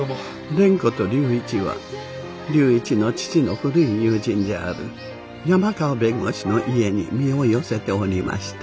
蓮子と龍一は龍一の父の古い友人である山川弁護士の家に身を寄せておりました。